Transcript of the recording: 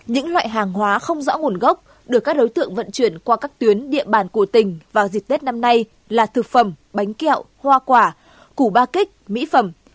những loại hàng hóa không rõ nguồn gốc được các đối tượng vận chuyển qua các tuyến địa bàn của tỉnh vào dịp tết năm nay là thực phẩm bánh kẹo hoa quả củ ba kích mỹ phẩm